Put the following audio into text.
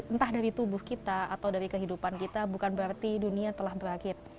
entah dari tubuh kita atau dari kehidupan kita bukan berarti dunia telah berakhir